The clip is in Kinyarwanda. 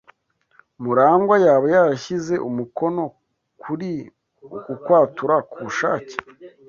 Murangwa yaba yarashyize umukono kuri uku kwatura kubushake?